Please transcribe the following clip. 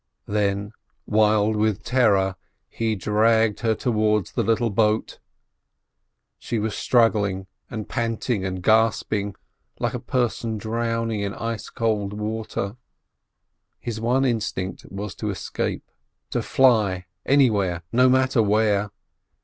Then, wild with terror, he dragged her towards the little boat. She was struggling, and panting and gasping, like a person drowning in ice cold water. His one instinct was to escape, to fly—anywhere, no matter where.